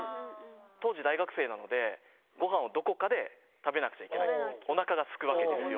当時、大学生なので、ごはんをどこかで食べなくちゃいけない、おなかがすくわけですよ。